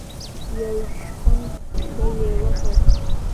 يو شخوند به يې وکړ.